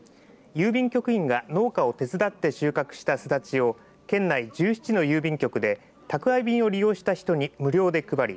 郵便局員が農家を手伝って収穫したスダチを県内１７の郵便局で宅配便を利用した人に無料で配り